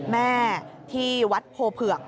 แม่ที่วัดโพเผือก